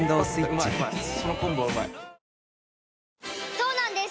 そうなんです